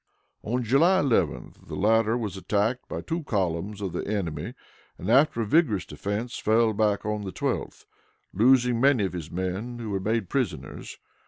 On July 11th the latter was attacked by two columns of the enemy, and, after a vigorous defense, fell back on the 12th, losing many of his men, who were made prisoners.